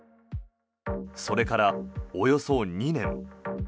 それから、およそ２年。